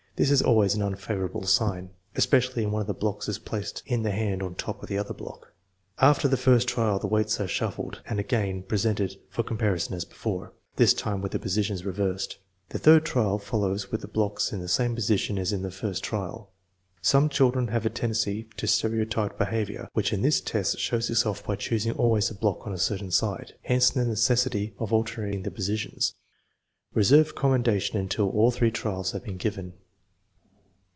This is always an unfavorable sign, especially if one of the blocks is placed in the hand on top of the other block. After the first trial, the weights are shuffled and again presented for comparison as before, this time with the posi tions reversed. The third trial follows with the blocks in the same position as in the first trial. Some children have a tendency to stereotyped behavior, which in this test shows itself by choosing always the block on a certain side. Hence the necessity of alternating the positions. 1 Reserve com mendation until all three trials have been given.